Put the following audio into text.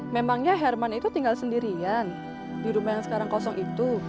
memangnya herman itu tinggal sendirian di rumah yang sekarang kosong itu